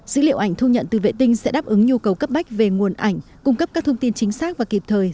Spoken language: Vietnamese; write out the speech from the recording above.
dữ liệu ảnh thu nhận từ vệ tinh sẽ đáp ứng nhu cầu cấp bách về nguồn ảnh cung cấp các thông tin chính xác và kịp thời